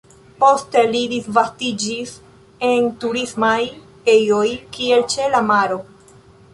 Poste ili disvastiĝis en turismaj ejoj, kiel ĉe la maro.